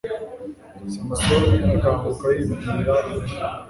samusoni akanguka yibwira ati